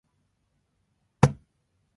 They each had sixteen Ku band transponders.